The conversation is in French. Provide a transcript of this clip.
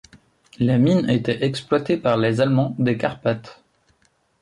Les mines étaient exploitées par les Allemands des Carpates.